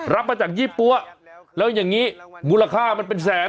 รับมาจากยี่ปั๊วแล้วอย่างนี้มูลค่ามันเป็นแสน